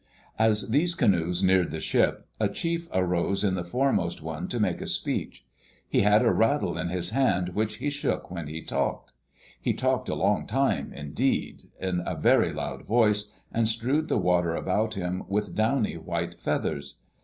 As these canoes neared the ship, a chief arose in the foremost one to make a speech. He had a rattle in his hand which he shook when he talked. He talked a long time, indeed, in a very loud voice, and strewed the water about him with downy white feathers.